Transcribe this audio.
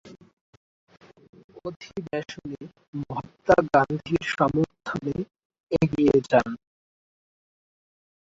অধিবেশনে মহাত্মা গান্ধীর সমর্থনে এগিয়ে যান।